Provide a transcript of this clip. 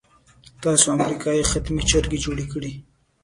تاسو امریکې تخمي چرګه جوړه کړې.